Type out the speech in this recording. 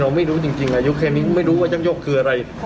ไม่รู้จริงอายุแค่นี้ไม่รู้ว่ายักยกคืออะไร